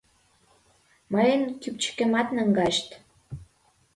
Мыйын кӱпчыкемат наҥгайышт.